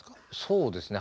そうですね。